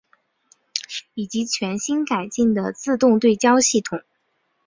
以及全新改进的自动对焦系统。